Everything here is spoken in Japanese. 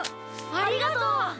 ありがとう！